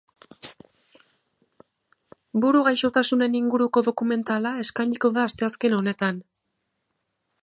Buru gaixotasunen inguruko dokumentala eskainiko da asteazken honetan.